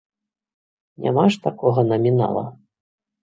Няма ж такога намінала.